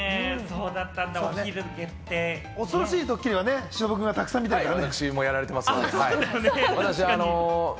恐ろしいドッキリは忍君がたくさん見てるからね。